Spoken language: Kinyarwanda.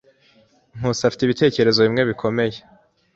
Nkusi afite ibitekerezo bimwe bikomeye.